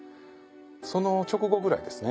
その直後ぐらいですね。